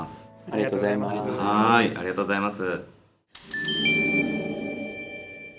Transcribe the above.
ありがとうございます。